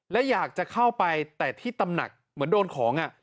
และอยากจะเข้าไปแต่ที่ตำหนักเหมือนโดนของ